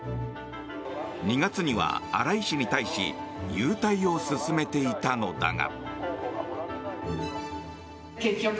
２月には荒井氏に対し勇退を勧めていたのだが。